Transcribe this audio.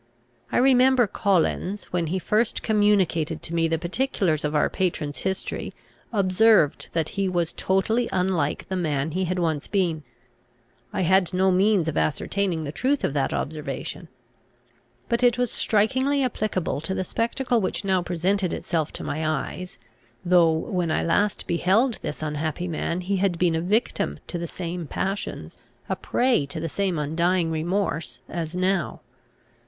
I remember Collins, when he first communicated to me the particulars of our patron's history, observed that he was totally unlike the man he had once been. I had no means of ascertaining the truth of that observation. But it was strikingly applicable to the spectacle which now presented itself to my eyes, though, when I last beheld this unhappy man, he had been a victim to the same passions, a prey to the same undying remorse, as now.